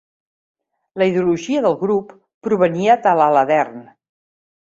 La ideologia del Grup provenia de l'Aladern.